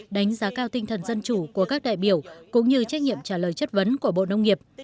đánh giá cao tinh thần dân chủ của các đại biểu cũng như trách nhiệm trả lời chất vấn của bộ nông nghiệp